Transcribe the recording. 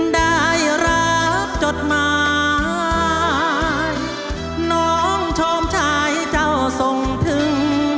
ได้รับจดหมายน้องโชมชายเจ้าส่งถึง